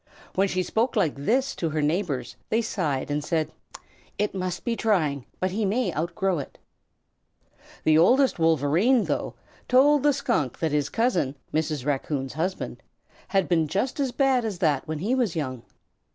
When she spoke like this to her neighbors they sighed and said, "It must be trying, but he may outgrow it." The Oldest Wolverene, though, told the Skunk that his cousin, Mrs. Raccoon's husband, had been just as bad as that when he was young.